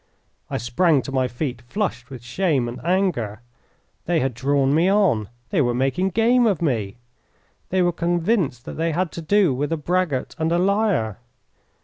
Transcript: I sprang to my feet, flushed with shame and anger. They had drawn me on. They were making game of me. They were convinced that they had to do with a braggart and a liar.